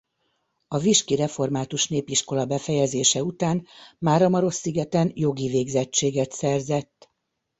A viski református népiskola befejezése után Máramarosszigeten jogi végzettséget szerzett.